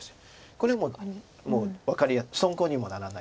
これももう損コウにもならないで。